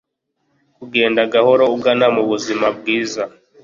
kugenda gahoro ugana mubuzima bwiza